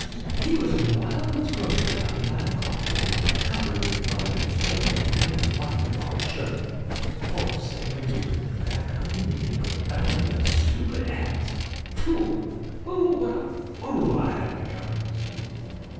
He was in at Wildman's grocery after nine o'clock to night covered with mud and swearing he had been in a fight with Art Sherman. Poor Sam and you to have come to me and to have found me a stupid ass! Fool! Fool! What a fool I have become!"